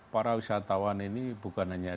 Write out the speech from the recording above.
para wisatawan ini bukan hanya